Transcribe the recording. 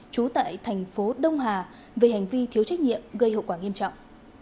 trú tại thành phố đông hà về hành vi thiếu trách nhiệm gây hậu quả nghiêm trọng